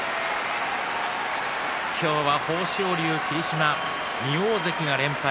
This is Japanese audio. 今日は豊昇龍、霧島２大関が連敗。